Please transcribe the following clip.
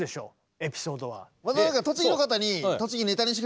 エピソードは。